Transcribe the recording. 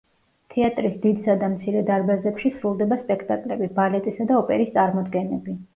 თეატრის დიდსა და მცირე დარბაზებში სრულდება სპექტაკლები, ბალეტისა და ოპერის წარმოდგენები.